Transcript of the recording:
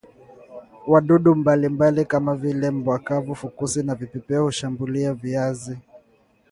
wadudu mbalimbali kama vile mbawa kavu fukusi na vipepeo hushambulia viazi